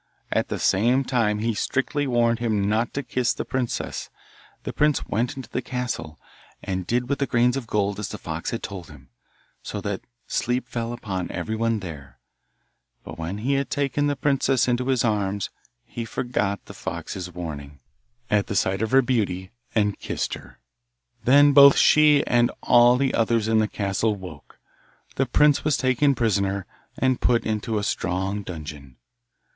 At the same time he strictly warned him not to kiss the princess. The prince went into the castle, and did with the grains of gold as the fox had told him, so that sleep fell upon everyone there; but when he had taken the princess into his arms he forgot the fox's warning, at the sight of her beauty, and kissed her. Then both she and all the others in the castle woke; the prince was taken prisoner, and put into a strong dungeon.